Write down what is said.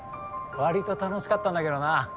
わりと楽しかったんだけどな